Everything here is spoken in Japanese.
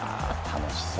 楽しそう。